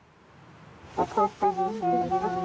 よかったです。